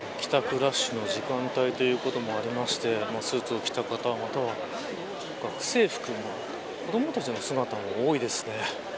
ラッシュの時間帯ということもありましてスーツを着た方、または学生服子どもたちの姿も多いですね。